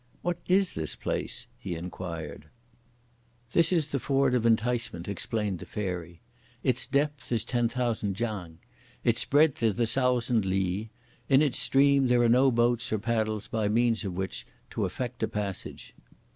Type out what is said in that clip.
"What is this place?" he inquired. "This is the Ford of Enticement," explained the Fairy. "Its depth is ten thousand chang; its breadth is a thousand li; in its stream there are no boats or paddles by means of which to effect a passage.